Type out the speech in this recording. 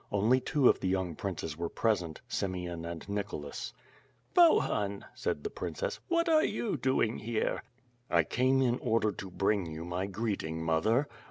Only two of the young princes were present, Simeon and Nicholas. "Bohun," said the princess, "what are you doing here?" "I came in order to bring you my greeting, mother?